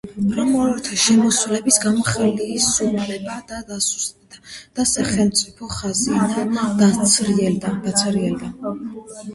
რომაელთა შემოსევების გამო ხელისუფლება დასუსტდა და სახელმწიფო ხაზინა დაცარიელდა.